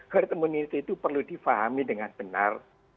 herd immunity itu perlu difahami dengan benar